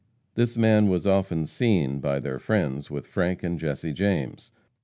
This man was often seen, by their friends, with Frank and Jesse James.